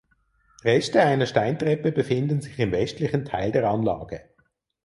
Reste einer Steintreppe befinden sich im westlichen Teil der Anlage.